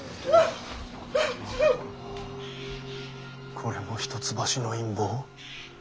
これも一橋の陰謀。